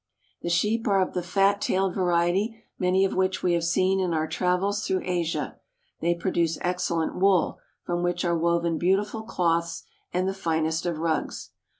The sheep are of the fat tailed variety, many of which we have seen in our travels through Asia. They produce excellent wool, from which are woven beautiful cloths and the finest of rugs.